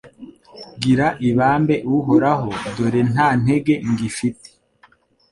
Gira ibambe Uhoraho dore nta ntege ngifite